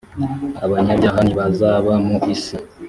abanyabyaha ntibazaba mu isi